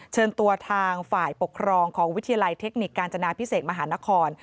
เชิญตัวทางฝ่ายปกครองของวิทยาลัยเทคนิคกาญจนาพิเศษมหานคร